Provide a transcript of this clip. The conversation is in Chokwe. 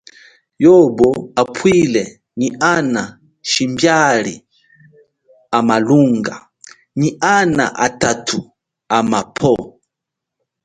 Yobo kapwile nyi ana shimbiali a malunga, nyi ana atathu amapwo.